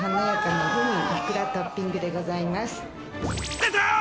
出た！！